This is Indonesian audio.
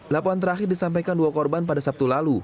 laporan terakhir disampaikan dua korban pada sabtu lalu